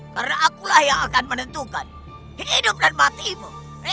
karena akulah yang akan menentukan hidup dan matimu